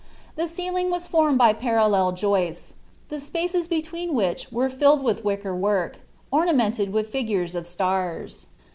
The ceiling was formed by parallel joists, the spaces between which were filled with wicker work, ornamented with figures of stars.